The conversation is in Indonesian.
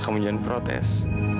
kamu jangan protes